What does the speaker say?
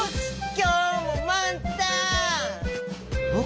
きょうもまんたん！